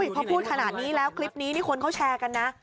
พอพูดขนาดนี้แล้วคลิปนี้นี่คนเขาแชร์กันนะ